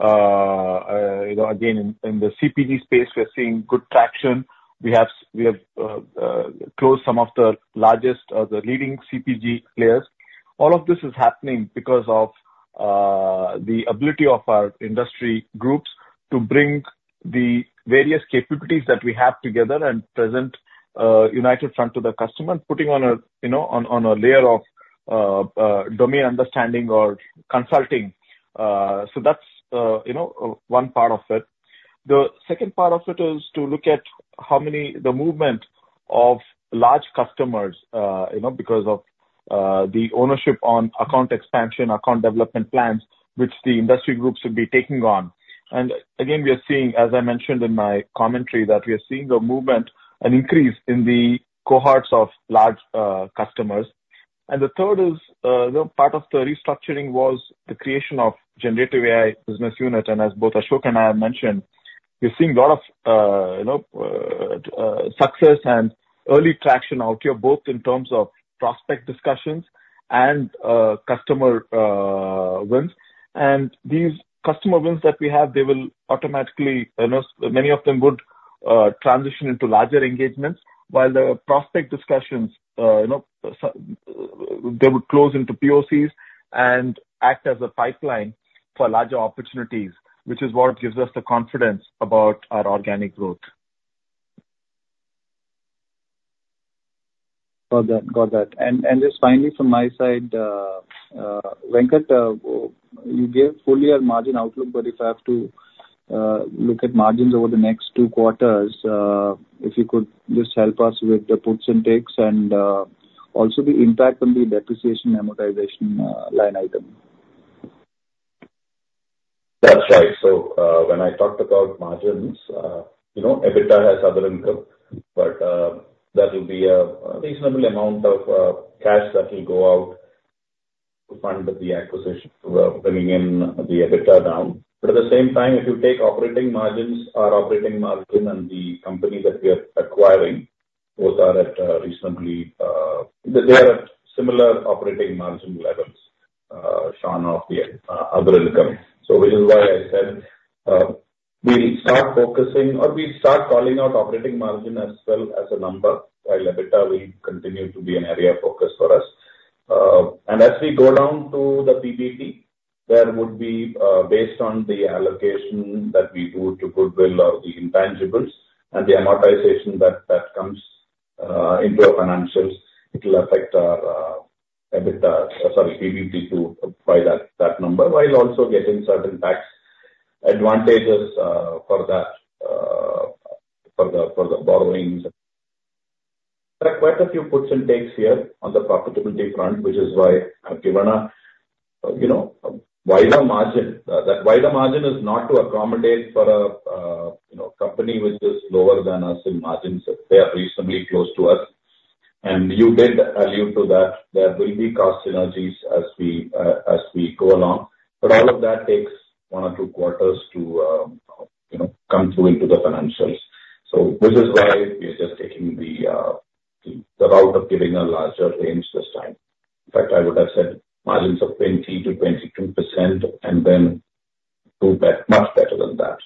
You know, again, in the CPG space, we are seeing good traction. We have closed some of the largest, the leading CPG players. All of this is happening because of the ability of our industry groups to bring the various capabilities that we have together and present a united front to the customer and putting on a, you know, on, on a layer of domain understanding or consulting. So that's, you know, one part of it. The second part of it is to look at how many... The movement of large customers, you know, because of the ownership on account expansion, account development plans, which the industry groups would be taking on. And again, we are seeing, as I mentioned in my commentary, that we are seeing a movement, an increase in the cohorts of large customers. And the third is, you know, part of the restructuring was the creation of Generative AI business unit. And as both Ashok and I have mentioned, we're seeing a lot of, you know, success and early traction out here, both in terms of prospect discussions and customer wins. And these customer wins that we have, they will automatically, you know, many of them would transition into larger engagements, while the prospect discussions, you know, so they would close into POCs and act as a pipeline for larger opportunities, which is what gives us the confidence about our organic growth. Got that. Got that. And just finally from my side, Venkat, you gave full year margin outlook, but if I have to look at margins over the next two quarters, if you could just help us with the puts and takes and also the impact on the depreciation amortization line item. That's right. So, when I talked about margins, you know, EBITDA has other income, but, that will be a reasonable amount of cash that will go out to fund the acquisition, bringing in the EBITDA down. But at the same time, if you take operating margins, our operating margin and the company that we are acquiring, both are at, reasonably, they are at similar operating margin levels, shorn of the other income. So which is why I said, we'll start focusing or we start calling out operating margin as well as a number, while EBITDA will continue to be an area of focus for us. And as we go down to the PBT, there would be, based on the allocation that we do to goodwill or the intangibles and the amortization that, that comes, into our financials, it will affect our, EBITDA, sorry, PBT too by that, that number, while also getting certain tax advantages, for that, for the, for the borrowings. There are quite a few puts and takes here on the profitability front, which is why I've given a, you know, a wider margin. That wider margin is not to accommodate for a, you know, company which is lower than us in margins. They are reasonably close to us.... And you did allude to that, there will be cost synergies as we, as we go along. But all of that takes one or two quarters to, you know, come through into the financials. This is why we are just taking the route of giving a larger range this time. In fact, I would have said margins of 20%-22%, and then do better, much better than that.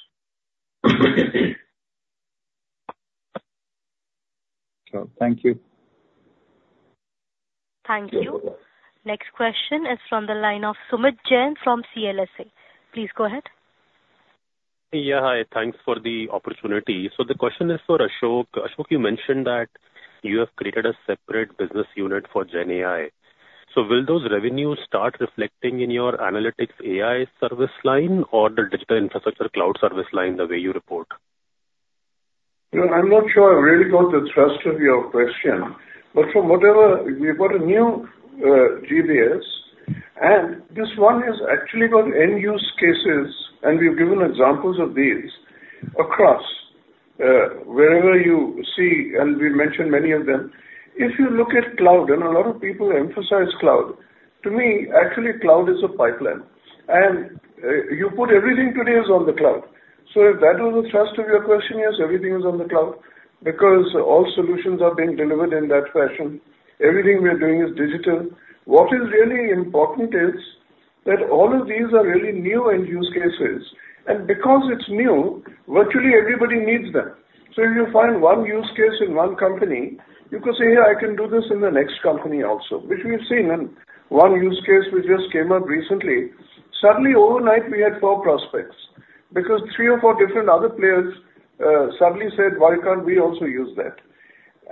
Thank you. Thank you. Next question is from the line of Sumit Jain from CLSA. Please go ahead. Yeah, hi. Thanks for the opportunity. So the question is for Ashok. Ashok, you mentioned that you have created a separate business unit for GenAI. So will those revenues start reflecting in your analytics AI service line or the digital infrastructure cloud service line, the way you report? No, I'm not sure I really got the thrust of your question. But from whatever, we've got a new GBS, and this one has actually got end-use cases, and we've given examples of these across wherever you see, and we mentioned many of them. If you look at cloud, and a lot of people emphasize cloud, to me, actually, cloud is a pipeline, and you put everything today is on the cloud. So if that was the thrust of your question, yes, everything is on the cloud, because all solutions are being delivered in that fashion. Everything we are doing is digital. What is really important is that all of these are really new end-use cases, and because it's new, virtually everybody needs them. So if you find one use case in one company, you could say, "Hey, I can do this in the next company also," which we've seen in one use case which just came up recently. Suddenly, overnight, we had four prospects, because three or four different other players suddenly said, "Why can't we also use that?"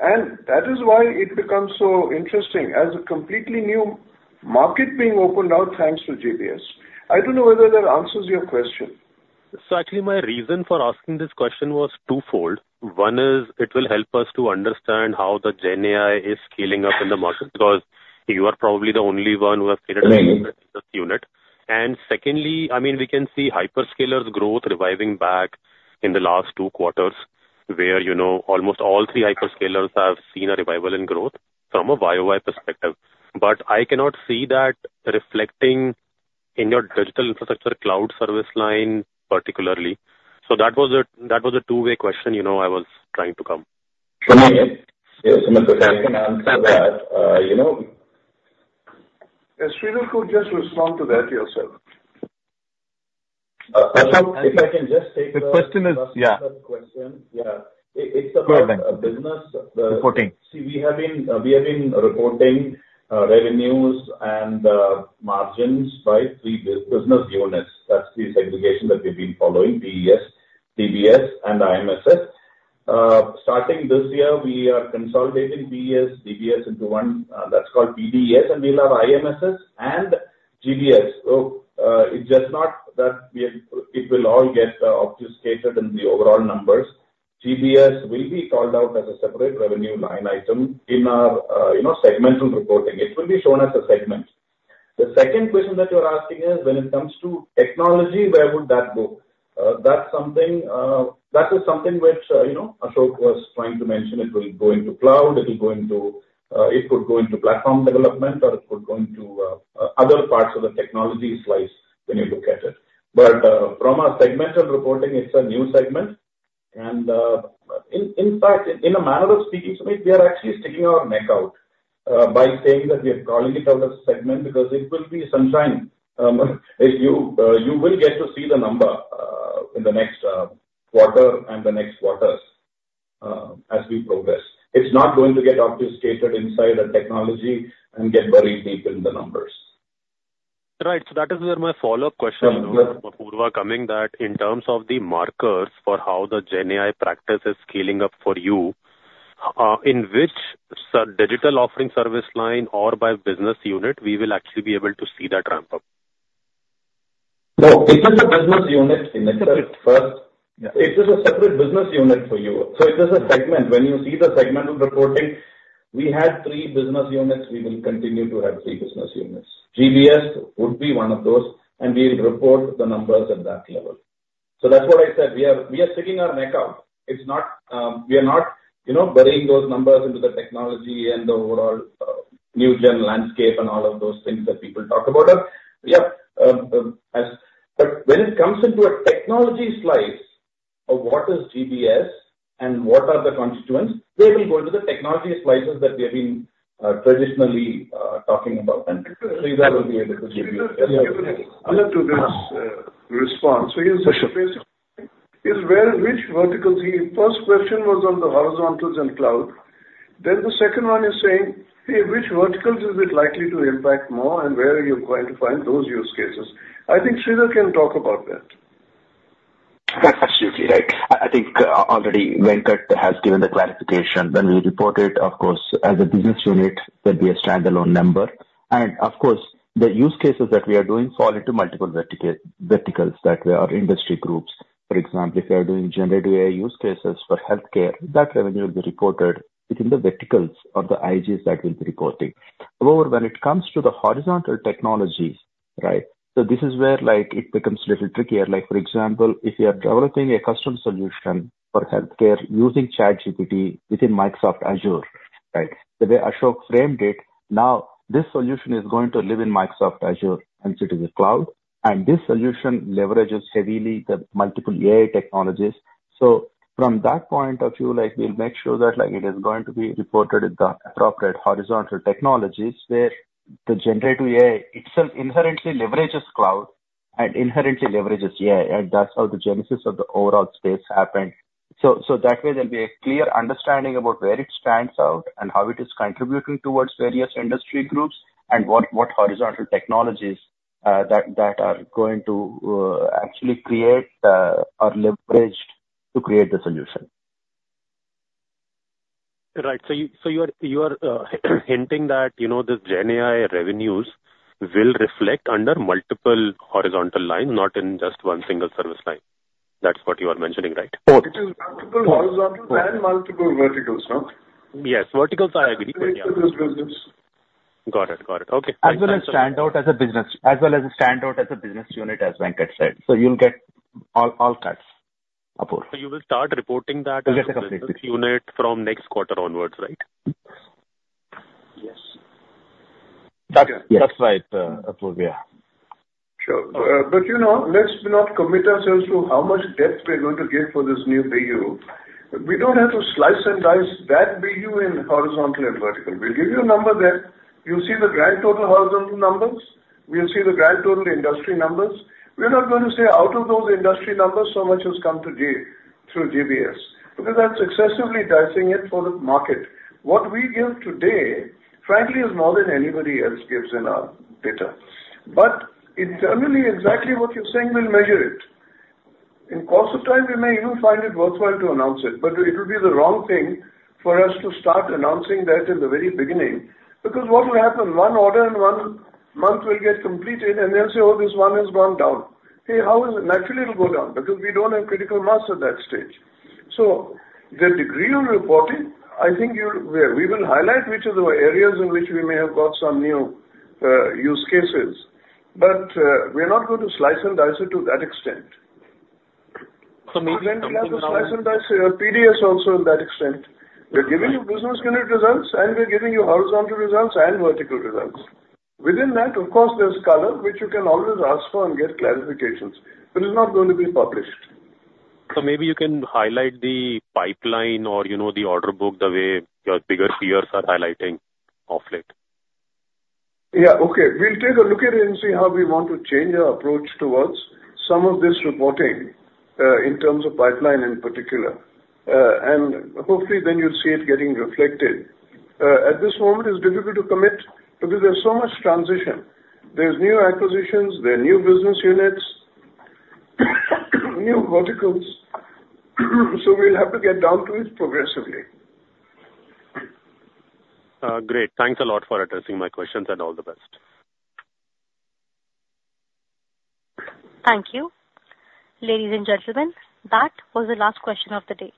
And that is why it becomes so interesting, as a completely new market being opened out, thanks to GBS. I don't know whether that answers your question. So actually, my reason for asking this question was twofold. One is it will help us to understand how the GenAI is scaling up in the market, because you are probably the only one who has created- Right. This unit. Secondly, I mean, we can see hyperscalers' growth reviving back in the last two quarters, where, you know, almost all three hyperscalers have seen a revival in growth from a YOY perspective. But I cannot see that reflecting in your digital infrastructure cloud service line, particularly. So that was a, that was a two-way question, you know, I was trying to come. Yeah, Sumit, I can answer that. You know- Sridhar, could you just respond to that yourself? If I can just take the- The question is, yeah. Question. Yeah, it's about- Go ahead. -the business. Reporting. See, we have been reporting revenues and margins by three business units. That's the segregation that we've been following, BES, DBS, and IMSS. Starting this year, we are consolidating BES, DBS into one, that's called BDBS, and we'll have IMSS and GBS. So, it's just not that we are... It will all get obfuscated in the overall numbers. GBS will be called out as a separate revenue line item in our, you know, segmental reporting. It will be shown as a segment. The second question that you're asking is, when it comes to technology, where would that go? That's something that is something which, you know, Ashok was trying to mention. It will go into cloud, it will go into it could go into platform development, or it could go into other parts of the technology slice when you look at it. But from a segmental reporting, it's a new segment. And in fact, in a manner of speaking, Sumit, we are actually sticking our neck out by saying that we are calling it out as a segment, because it will be sunshine. If you you will get to see the number in the next quarter and the next quarters as we progress. It's not going to get obfuscated inside a technology and get buried deep in the numbers. Right. So that is where my follow-up question, you know, coming to that in terms of the markers for how the GenAI practice is scaling up for you, in which digital offering service line or by business unit, we will actually be able to see that ramp-up? No, it is a business unit in itself. First- Yeah. It is a separate business unit for you. So it is a segment. When you see the segmental reporting, we had three business units, we will continue to have three business units. GBS would be one of those, and we'll report the numbers at that level. So that's what I said, we are, we are sticking our neck out. It's not, we are not, you know, burying those numbers into the technology and the overall new gen landscape and all of those things that people talk about. But when it comes into a technology slice of what is GBS and what are the constituents, they will go into the technology slices that we have been traditionally talking about. And Sridhar will be able to give you-... To this, response. For sure. Is where, which verticals? The first question was on the horizontals and cloud. Then the second one is saying: "Hey, which verticals is it likely to impact more, and where are you going to find those use cases?" I think Sridhar can talk about that. Absolutely right. I think already Venkat has given the clarification. When we report it, of course, as a business unit, there'll be a standalone number. And of course, the use cases that we are doing fall into multiple verticals that way, or industry groups. For example, if you are doing generative AI use cases for healthcare, that revenue will be reported within the verticals or the IGs that we'll be reporting. Moreover, when it comes to the horizontal technologies. Right. So this is where, like, it becomes a little trickier. Like, for example, if you are developing a custom solution for healthcare using ChatGPT within Microsoft Azure, right? The way Ashok framed it, now this solution is going to live in Microsoft Azure and the cloud, and this solution leverages heavily the multiple AI technologies. So from that point of view, like, we'll make sure that, like, it is going to be reported in the appropriate horizontal technologies, where the generative AI itself inherently leverages cloud and inherently leverages AI, and that's how the genesis of the overall space happened. So, so that way there'll be a clear understanding about where it stands out and how it is contributing towards various industry groups and what, what horizontal technologies, that, that are going to, actually create, are leveraged to create the solution. Right. So you are hinting that, you know, this GenAI revenues will reflect under multiple horizontal lines, not in just one single service line. That's what you are mentioning, right? Oh- It is multiple horizontal and multiple verticals, no? Yes, verticals, I agree. Yeah. Verticals business. Got it. Got it. Okay. As well as stand out as a business, as well as stand out as a business unit, as Venkat said. So you'll get all, all cuts, Apurva. You will start reporting that- Yes, absolutely. unit from next quarter onwards, right? Yes. That's, that's right, Apurva. Sure. But, you know, let's not commit ourselves to how much depth we're going to get for this new BU. We don't have to slice and dice that BU in horizontal and vertical. We'll give you a number there. You'll see the grand total horizontal numbers. We'll see the grand total industry numbers. We're not going to say out of those industry numbers, so much has come today through GBS, because that's excessively dicing it for the market. What we give today, frankly, is more than anybody else gives in our data. But internally, exactly what you're saying, we'll measure it. In course of time, we may even find it worthwhile to announce it, but it will be the wrong thing for us to start announcing that in the very beginning. Because what will happen, one order in one month will get completed and they'll say, "Oh, this one has gone down." Hey, how is it? Naturally, it will go down because we don't have critical mass at that stage. So the degree of reporting, I think you'll... We will highlight which are the areas in which we may have got some new use cases, but we are not going to slice and dice it to that extent. So maybe- We have to slice and dice, PDES also in that extent. We're giving you business unit results, and we're giving you horizontal results and vertical results. Within that, of course, there's color, which you can always ask for and get clarifications, but it's not going to be published. Maybe you can highlight the pipeline or, you know, the order book, the way your bigger peers are highlighting of late. Yeah, okay. We'll take a look at it and see how we want to change our approach towards some of this reporting, in terms of pipeline in particular. Hopefully, then you'll see it getting reflected. At this moment, it's difficult to commit because there's so much transition. There's new acquisitions, there are new business units, new verticals, so we'll have to get down to it progressively. Great. Thanks a lot for addressing my questions and all the best. Thank you. Ladies and gentlemen, that was the last question of the day.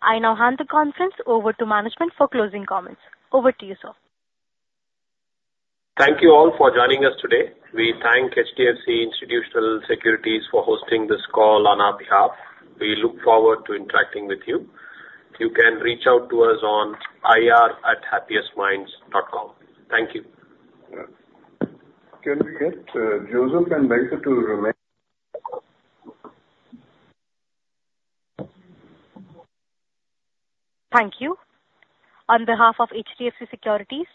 I now hand the conference over to management for closing comments. Over to you, sir. Thank you all for joining us today. We thank HDFC Securities for hosting this call on our behalf. We look forward to interacting with you. You can reach out to us on ir@happiestminds.com. Thank you. Yeah. Can we get, Joseph and Michael to remain- Thank you. On behalf of HDFC Securities,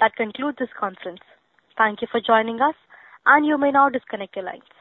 that concludes this conference. Thank you for joining us, and you may now disconnect your lines.